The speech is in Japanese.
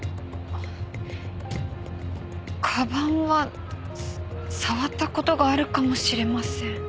鞄は触った事があるかもしれません。